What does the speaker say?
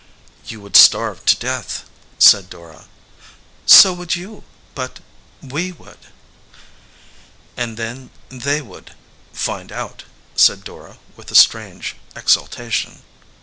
"You would starve to death," said Dora. "So would you, but we would." "And then they would find out said Dora, with a strange exultation.